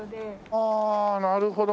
あなるほど。